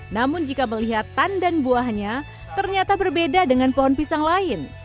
namun jika melihat tandan buahnya ternyata berbeda dengan pohon pisang lain